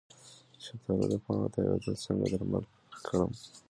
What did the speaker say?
د شفتالو د پاڼو تاویدل څنګه درمل کړم؟